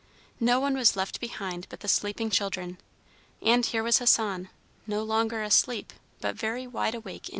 No one was left behind but the sleeping children, and here was Hassan, no longer asleep, but very wide awake indeed.